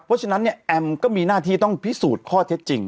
เพราะฉะนั้นเนี่ยแอมก็มีหน้าที่ต้องพิสูจน์ข้อเท็จจริง